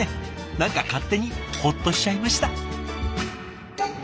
何か勝手にホッとしちゃいました。